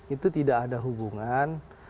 itu tidak ada hubungan